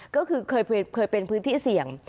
ก็คือเคยเป็นพื้นที่เสี่ยง